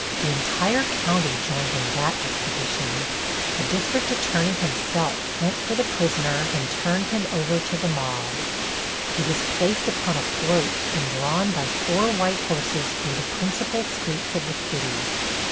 The entire county joined in that exhibition. The district attorney himself went for the prisoner and turned him over to the mob. He was placed upon a float and drawn by four white horses through the principal streets of the city.